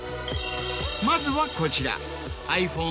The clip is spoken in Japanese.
まずはこちら。